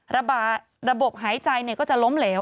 ระบบหายใจก็จะล้มเหลว